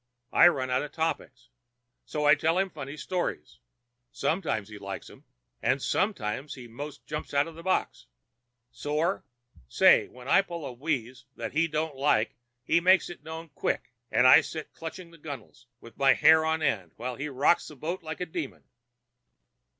I run out of topics, so I tell him funny stories. Sometimes he likes them, and sometimes he 'most jumps out of the box. Sore? Say, when I pull a wheeze that he don't like he makes it known quick, and I sit clutching the gunnels, with my hair on end while he rocks the boat like a demon.